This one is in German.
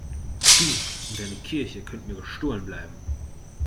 Du und deine Kirche könnt mir gestohlen bleiben.